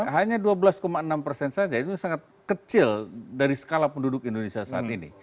hanya dua belas enam persen saja itu sangat kecil dari skala penduduk indonesia saat ini